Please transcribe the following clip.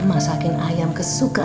baru tiga minggu